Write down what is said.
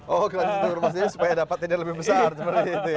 oh gratis untuk rumah sendiri supaya dapat tindak lebih besar